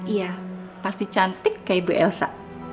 iya pasti cantik kayak ibu elsa